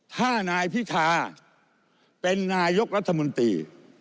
ถ้านายพิธาเป็นนายกรัฐมนตรี